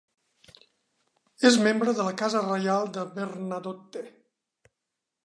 És membre de la casa reial de Bernadotte.